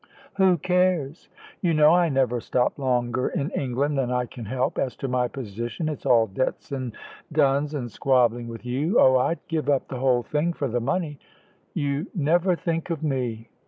"Who cares? You know I never stop longer in England than I can help. As to my position, it's all debts and duns, and squabbling with you. Oh, I'd give up the whole thing for the money!" "You never think of me."